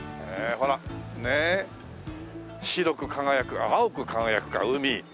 ほらねえ白く輝くあっ青く輝くか海。